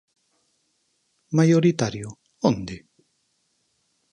Maioritario, onde?